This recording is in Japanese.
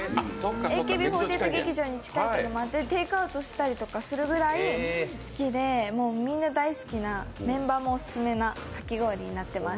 ＡＫＢ４８劇場に近くて、みんなテイクアウトしたりするぐらい好きで、みんな大好きな、メンバーもオススメなかき氷になってます。